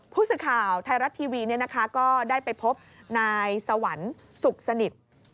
ผู้สื่อข่าวไทยรัฐทีวีก็ได้ไปพบนายสวรรค์สุขสนิท